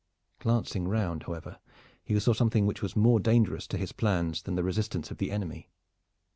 Glancing round, however, he saw something which was more dangerous to his plans than the resistance of the enemy.